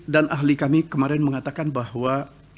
dan ahli kami kemarin mengatakan bahwa